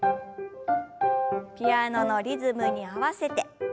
ピアノのリズムに合わせて。